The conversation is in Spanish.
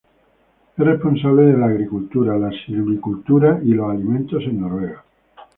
Es responsable de la agricultura, la silvicultura y los alimentos en Noruega.